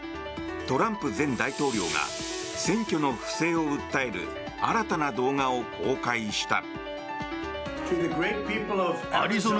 トランプ前大統領が選挙の不正を訴える新たな動画を公開した。